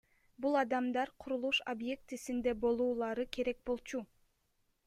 Бул адамдар курулуш объектисинде болуулары керек болчу.